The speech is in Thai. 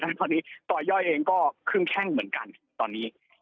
แต่มีตอนนี้ตอนย่อยก็คืนแค่นเหมือนกันตอนนี้